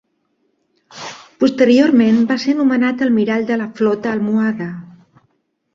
Posteriorment va ser nomenat almirall de la flota almohade.